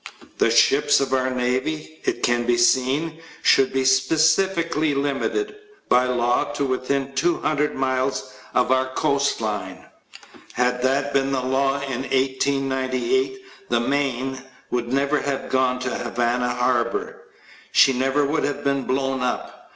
The ships of our navy, it can be seen, should be specifically hmited, by law, to within 200 miles of our coastline. Had that been the law in 1898 the Maine would never have gone to Havana Harbor. She never would have been blown up.